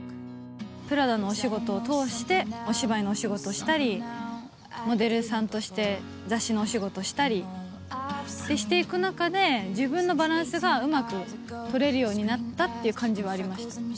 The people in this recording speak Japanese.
プラダのお仕事を通して、お芝居のお仕事したり、モデルさんとして雑誌のお仕事したりってしていく中で、自分のバランスがうまく取れるようになったっていう感じはありました。